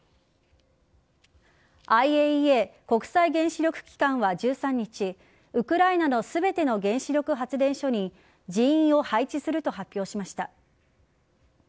ＩＡＥＡ＝国際原子力機関は１３日ウクライナの全ての原子力発電所に人員を配置すると発表しました。